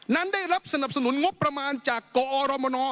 นั้นได้รับสนับสนุนงบประมาณจากกอรมน